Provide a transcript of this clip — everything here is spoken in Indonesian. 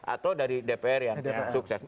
atau dari dpr yang sukses